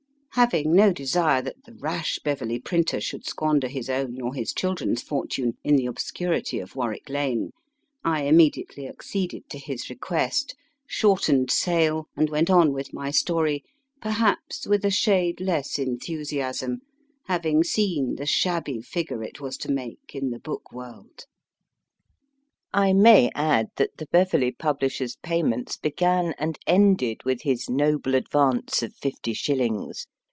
Having no desire that the rash Beverley printer should squander his own or his children s fortune in the obscurity of Warwick Lane, I immediately acceded to his request, shortened sail, and went on with my story, perhaps with a shade less enthusiasm, having seen the shabby figure it was to make in the book world. I may add that the Beverley publisher s payments M. E. BRADDON began and ended with his noble advance of fifty shillings.